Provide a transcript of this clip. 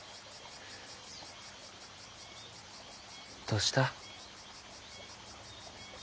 どうした？